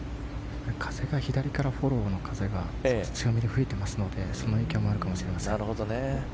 風が左からフォローの風が吹いていますのでその影響もあるかもしれません。